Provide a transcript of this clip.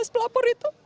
tiga belas pelapor itu